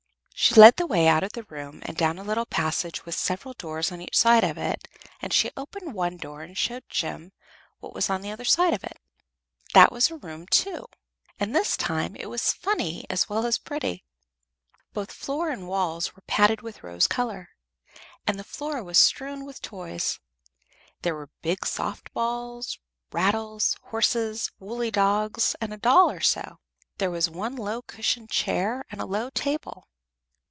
She led the way out of the room and down a little passage with several doors in each side of it, and she opened one door and showed Jem what was on the other side of it. That was a room, too, and this time it was funny as well as pretty. Both floor and walls were padded with rose color, and the floor was strewn with toys. There were big soft balls, rattles, horses, woolly dogs, and a doll or so; there was one low cushioned chair and a low table.